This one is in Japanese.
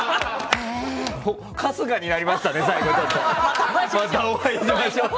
春日になりましたね、最後。